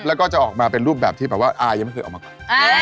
แล้วก็จะออกมาเป็นรูปแบบที่แบบว่าอายยังไม่เคยออกมาก่อน